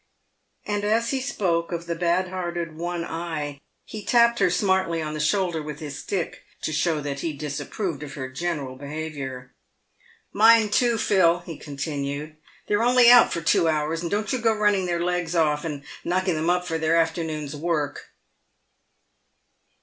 And as he spoke of the bad hearted One Eye, he tapped her smartly on the shoulder with his stick, to show that he disapproved of her general behaviour. " Mind, too, Phil," he continued, " they're only out for two hours, and don't you go running their legs off, and knocking them up for their afternoon's work."